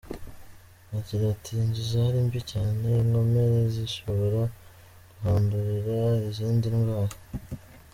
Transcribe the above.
Agira ati “Inzu zari mbi cyane inkomere zishobora kuhandurira izindi ndwara.